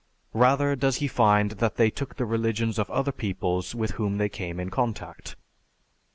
Rather does he find that they took the religions of other peoples with whom they came in contact.